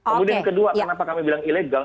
kemudian kedua kenapa kami bilang ilegal